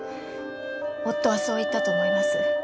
夫はそう言ったと思います。